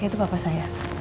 itu bapak saya